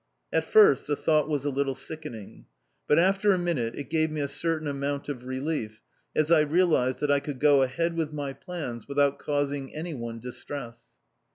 At first, the thought was a little sickening. But after a minute it gave me a certain amount of relief, as I realised that I could go ahead with my plans without causing anyone distress.